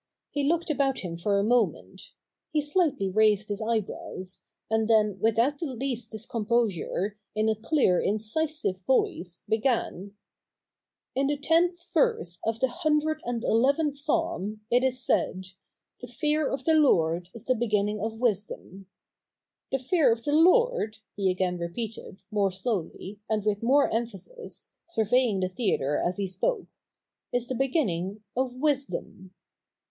He looked about him for a moment : he slightly raised his eyebrows, and then, without the least discom posure, and in a clear incisive voice, began :—' In the tenth verse of the hundred and eleventh Psalm, it is said, " The fear of the Lord is the beginning of ' Koran, chap. ii. Sale's Translation. CH. i] THE NEW REPUBLIC 73 wisdom.'" 'The fear of the Lord,' he again repeated, more slowly, and with more emphasis, surveying the theatre as he spoke, 'is the beginning of wisdom.'